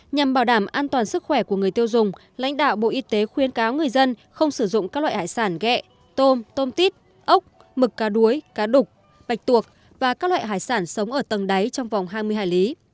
nhằm bảo đảm an toàn sức khỏe của người tiêu dùng lãnh đạo bộ y tế khuyên cáo người dân không sử dụng các loại hải sản ghẹ tôm tôm tít ốc mực cá đuối cá đục bạch tuộc và các loại hải sản sống ở tầng đáy trong vòng hai mươi hải lý